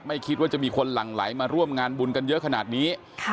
ไม่คิดว่าจะมีคนหลั่งไหลมาร่วมงานบุญกันเยอะขนาดนี้